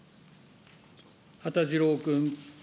羽田次郎君。